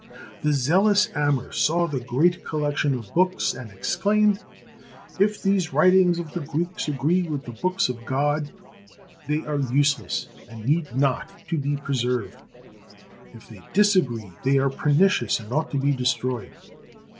The zealous Amr saw the great collection of books and exclaimed: '' If these writings of the Greeks agree with the books of God, they are useless and need not be preserved; if they disagree, they are pernicious, and ought to be destroyed."